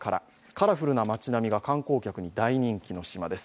カラフルな町並みが観光客に大人気の島です。